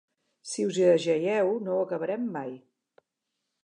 Si us hi ajaieu, no ho acabarem mai.